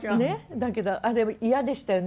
だけどあれ嫌でしたよね。